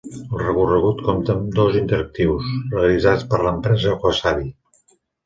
El recorregut compta amb dos interactius, realitzats per l'empresa Wasabi.